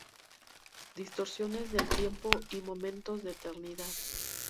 Distorsiones del tiempo y "momentos de eternidad".